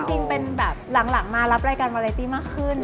จริงเป็นแบบหลังมารับรายการวาเลตี้มากขึ้น